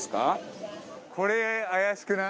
これ怪しくない？